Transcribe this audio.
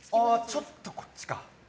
ちょっとこっちか。